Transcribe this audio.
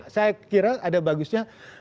saya kira ada bagusnya